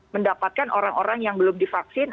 mendapatkan orang orang yang belum divaksin